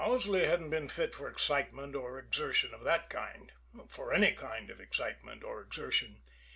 Owsley hadn't been fit for excitement or exertion of that kind for any kind of excitement or exertion.